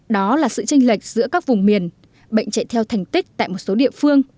đó là sự tranh lệch giữa các vùng miền bệnh chạy theo thành tích tại một số địa phương